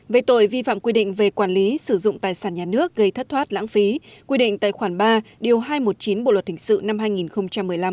về tội vi phạm quy định về quản lý sử dụng tài sản nhà nước gây thất thoát lãng phí quy định tài khoản ba điều hai trăm một mươi chín bộ luật thịnh sự năm hai nghìn một mươi năm